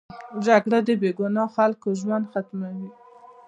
جګړه د بې ګناه خلکو ژوند ختموي